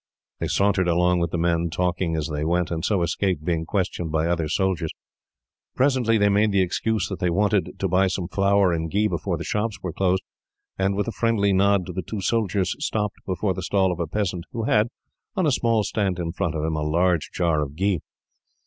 They sauntered along with the men, talking as they went, and so escaped being questioned by other soldiers. Presently, they made the excuse that they wanted, to buy some flour and ghee before the shops were closed; and, with a friendly nod to the two soldiers, stopped before the stall of a peasant who had, on a little stand in front of him, a large jar of ghee.